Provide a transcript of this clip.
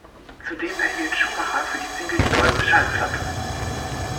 Zudem erhielt Schuhmacher für die Single die Goldene Schallplatte.